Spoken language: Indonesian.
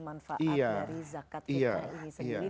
manfaat dari zakat fitrah ini sendiri